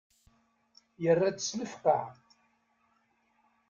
Yerra-d s lefqeε.